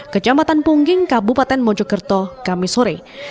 kejambatan pungging kabupaten mojokerto kamis sore